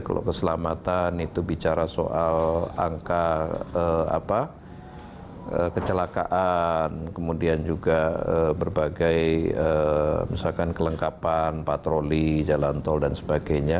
kalau keselamatan itu bicara soal angka kecelakaan kemudian juga berbagai misalkan kelengkapan patroli jalan tol dan sebagainya